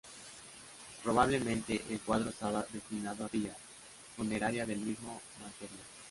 Probablemente el cuadro estaba destinado a la capilla funeraria del mismo Mantegna.